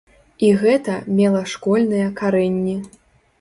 І гэта мела школьныя карэнні.